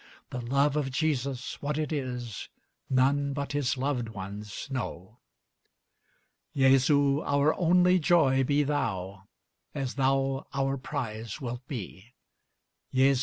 The love of Jesus, what it is None but his loved ones know. Jesu! our only joy be thou, As thou our prize wilt be! Jesu!